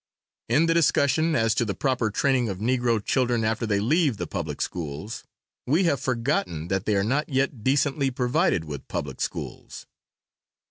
In the discussion as to the proper training of Negro children after they leave the public schools, we have forgotten that they are not yet decently provided with public schools.